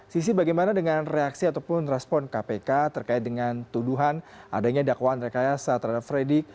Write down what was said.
sisi bagaimana dengan reaksi ataupun respon kpk terkait dengan tuduhan adanya dakwaan rekayasa terhadap fredrik